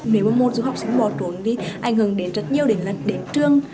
nếu một môn giúp học sinh bỏ trốn thì ảnh hưởng đến rất nhiều đến trường